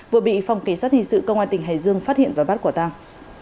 vừa bị phòng kế sát hình sự công an tỉnh hải dương phát hiện và bắt quả tăng